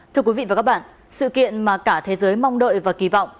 thưa quý vị và các bạn sự kiện mà cả thế giới mong đợi và kỳ vọng